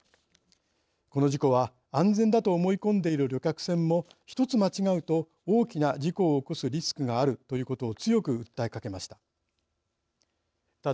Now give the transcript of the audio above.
この事故は安全だと思い込んでいる旅客船もひとつ間違うと大きな事故を起こすリスクがあるということを強く訴えかけました。